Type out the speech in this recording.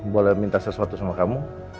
boleh minta sesuatu sama kamu